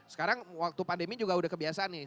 sekarang waktu pandemi juga udah kebiasaan nih